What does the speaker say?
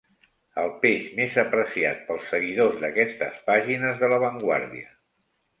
El peix més apreciat pels seguidors d'aquestes pàgines de La Vanguardia.